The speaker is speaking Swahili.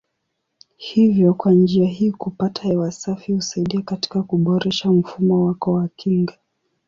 Hivyo kwa njia hii kupata hewa safi husaidia katika kuboresha mfumo wako wa kinga.